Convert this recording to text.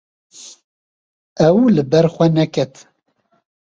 Ew li ber xwe neket.